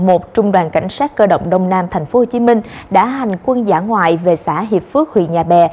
trung đoàn cảnh sát cơ động đông nam tp hcm đã hành quân giả ngoại về xã hiệp phước huyện nhà bè